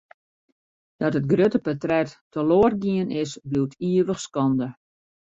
Dat it grutte portret teloar gien is, bliuwt ivich skande.